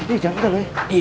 eh jangan kek